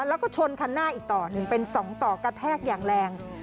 แล้วก็ชนคันหน้าอีกต่อหนึ่งเป็น๒ต่อกระแทกอย่างแรง